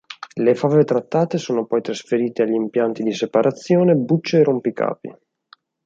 Le fave trattate sono poi trasferite agli impianti di separazione bucce e rompicapi.